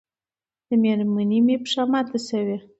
د مېرمنې مې پښه ماته شوې